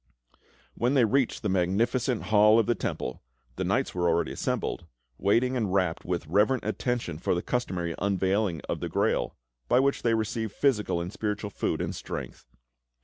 When they reached the magnificent hall of the Temple, the knights were already assembled, waiting with rapt and reverent attention for the customary unveiling of the Grail, by which they received physical and spiritual food and strength.